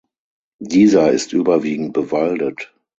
Dieser ist überwiegend bewaldet.